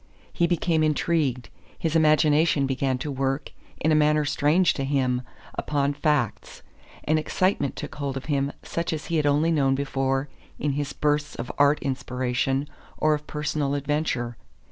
He became intrigued; his imagination began to work, in a manner strange to him, upon facts; an excitement took hold of him such as he had only known before in his bursts of art inspiration or of personal adventure.